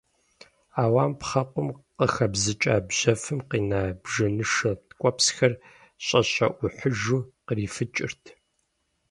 Ӏэуам пхъэкъум къыхэбзыкӀа бжьэфым къина бжэнышэ ткӀуэпсхэр, щӀэщэӀухьыжу, кърифыкӀырт.